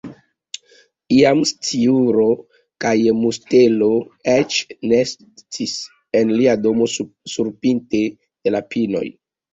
Iam sciuro kaj mustelo eĉ nestis en lia domo surpinte de la pinoj.